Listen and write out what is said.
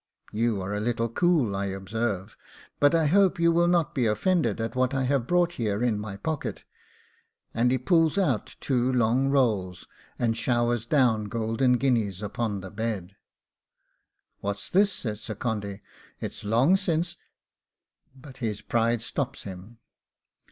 You are a little cool, I observe; but I hope you will not be offended at what I have brought here in my pocket,' and he pulls out two long rolls, and showers down golden guineas upon the bed. 'What's this?' said Sir Condy; 'it's long since' but his pride stops him.